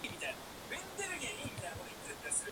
① 既存顧客の価値を重視している